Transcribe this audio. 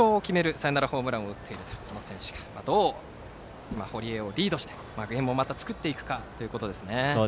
サヨナラホームランを打っているこの選手がどう堀江をリードしてゲームをまた作っていくかですね。